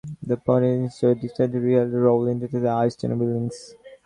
The producers instead decided to recast the role, initially with Austin Willis.